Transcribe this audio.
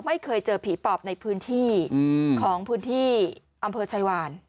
ไม่เคยเจอผีปอบในพื้นที่ของพื้นที่อำเภอชายวาน